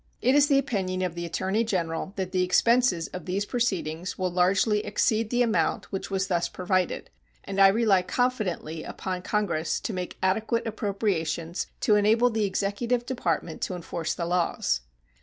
It is the opinion of the Attorney General that the expenses of these proceedings will largely exceed the amount which was thus provided, and I rely confidently upon Congress to make adequate appropriations to enable the executive department to enforce the laws.